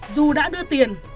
dù đã đưa tiền